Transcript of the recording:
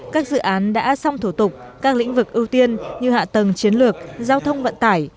các dự án đã xong thủ tục các lĩnh vực ưu tiên như hạ tầng chiến lược giao thông vận tải